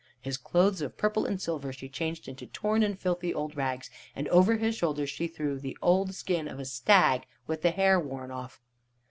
His clothes of purple and silver she changed into torn and filthy old rags, and over his shoulders she threw the old skin of a stag with the hair worn off.